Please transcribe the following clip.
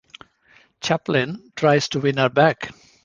Chaplin tries to win her back.